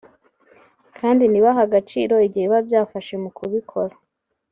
kandi ntibahe agaciro igihe biba byafashe mu kubikora